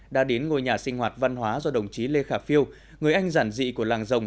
đã đến ngôi nhà sinh hoạt văn hóa do đồng chí lê khả phiêu người anh giản dị của làng rồng